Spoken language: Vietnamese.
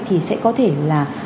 thì sẽ có thể là